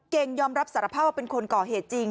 งยอมรับสารภาพว่าเป็นคนก่อเหตุจริง